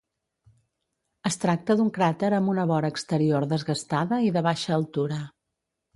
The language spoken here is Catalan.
Es tracta d'un cràter amb una vora exterior desgastada i de baixa altura.